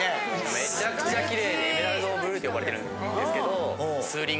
めちゃくちゃキレイで。って呼ばれてるんですけど。